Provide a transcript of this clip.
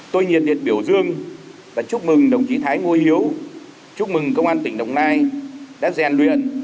tôi nhiệt liệt biểu dương và chúc mừng đồng chí thái ngô hiếu chúc mừng công an tỉnh đồng nai đã rèn luyện